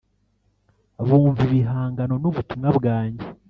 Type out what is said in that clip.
bumva ibihangano n’ubutumwa bwanjye